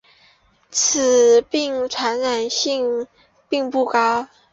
此病传染性并不高。